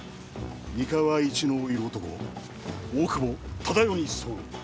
三河一の色男大久保忠世に候。